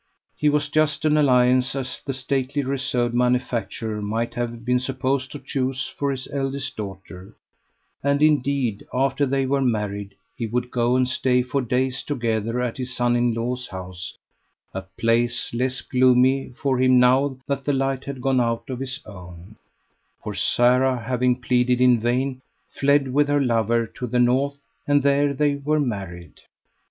His was just such an alliance as the stately reserved manufacturer might have been supposed to choose for his eldest daughter, and, indeed, after they were married he would go and stay for days together at his son in law's house a place less gloomy for him now that the light had gone out of his own; for Sara, having pleaded in vain, fled with her lover to the north and there they were married.